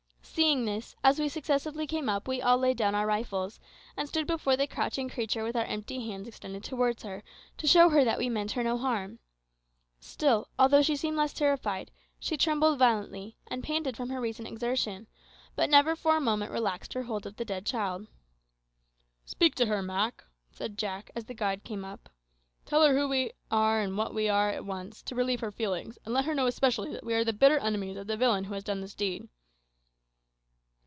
Seeing this, as we successively came up we all laid down our rifles, and stood before the crouching creature with our empty hands extended towards her, to show that we meant her no harm. Still, although she seemed less terrified, she trembled violently, and panted from her recent exertion, but never for a moment relaxed her hold of the dead child. "Speak to her, Mak," said Jack, as the guide came up. "Tell her who and what we are at once, to relieve her feelings; and let her know especially that we are the bitter enemies of the villain who has done this deed."